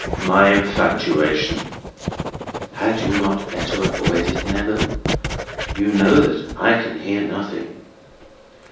—my infatuation." "Had you not better avoid it, Neville? You know that I can hear nothing."